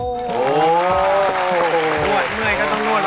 รวดเหมื่อยก็ต้องรวดวัดโท